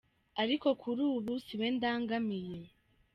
Ariko kuri ubu si we ndangamiye.